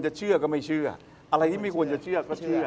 เชื่อก็ไม่เชื่ออะไรที่ไม่ควรจะเชื่อก็เชื่อ